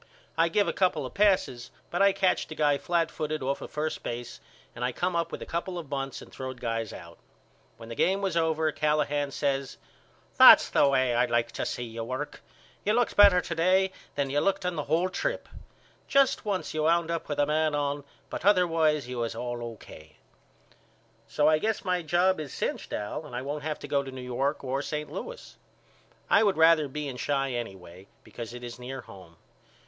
I give a couple of passes but I catched a guy flatfooted off of first base and I come up with a couple of bunts and throwed guys out. When the game was over Callahan says That's the way I like to see you work. You looked better to day than you looked on the whole trip. Just once you wound up with a man on but otherwise you was all O.K. So I guess my job is cinched Al and I won't have to go to New York or St. Louis. I would rather be in Chi anyway because it is near home.